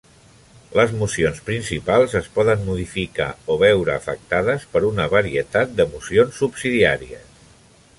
Les mocions principals es poden modificar o veure afectades per una varietat de mocions subsidiàries.